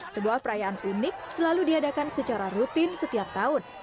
sebuah perayaan unik selalu diadakan secara rutin setiap tahun